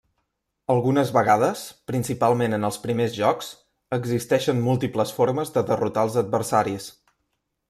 Algunes vegades, principalment en els primers jocs, existeixen múltiples formes de derrotar als adversaris.